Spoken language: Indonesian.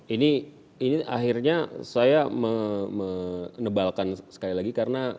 ini akhirnya saya menebalkan sekali lagi karena